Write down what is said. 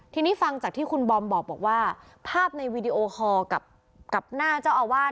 ทีนี้ฟังจากที่คุณบอมบอกว่าภาพในวีดีโอคอลกับหน้าเจ้าอาวาส